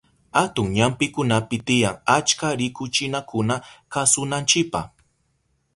Atun ñampikunapi tiyan achka rikuchinakuna kasunanchipa.